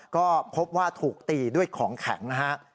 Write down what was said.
ก็พบว่าถูกตีด้วยของแข็งนะฮะ